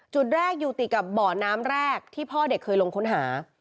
จุดแรกอยู่ติดกับบ่อน้ำแรกที่พ่อเด็กเคยลงค้นหา